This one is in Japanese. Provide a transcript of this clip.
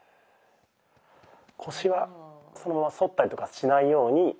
腰はそのまま反ったりとかしないように。